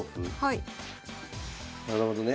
なるほどね。